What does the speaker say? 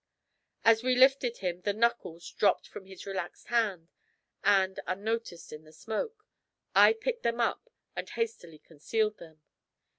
As we lifted him the 'knuckles' dropped from his relaxed hand, and, unnoticed in the smoke, I picked them up and hastily concealed them.